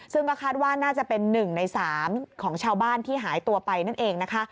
ซึ่งก็คาดว่าน่าจะเป็น๑ใน๓ของชาวบ้านที่หายตัวไปนั่นเองนะคะ